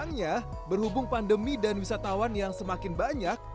sayangnya berhubung pandemi dan wisatawan yang semakin banyak